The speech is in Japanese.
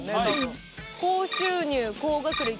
高収入高学歴。